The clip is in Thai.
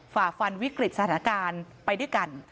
ฝ่าฟันวิกฤตสถานการณ์ไปด้วยกัน